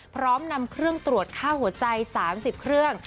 พร้อมนำเครื่องตรวจค่าหัวใจ๓๐เครื่อง